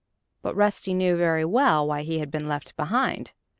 But Rusty knew very well why he had been left behind!